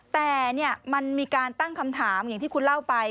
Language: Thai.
แต่มันมีการตั้งคำถามอย่างที่คุณเล่าไป